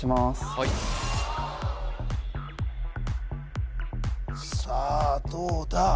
はいさあどうだ？